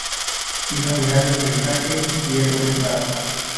Iba mirando el paisaje y he tropezado.